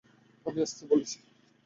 আমি আসতে বলেছি।